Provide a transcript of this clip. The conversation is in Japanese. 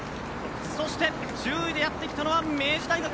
そして、１０位でやってきたのは明治大学。